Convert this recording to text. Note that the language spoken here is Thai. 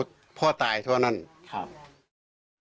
อันนี้เป็นคำกล่าวอ้างของทางฝั่งของพ่อตาที่เป็นผู้ต้องหานะ